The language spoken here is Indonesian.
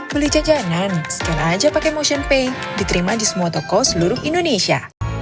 beli jajanan scan aja pake motionpay diterima di semua toko seluruh indonesia